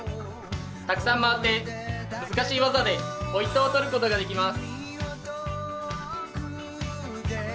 たくさん回って、難しい技でポイントを取ることができます。